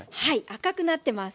赤くなってます。